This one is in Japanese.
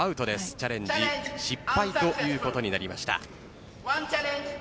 チャレンジ失敗ということになりました。